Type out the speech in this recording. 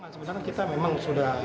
sebenarnya kita memang sudah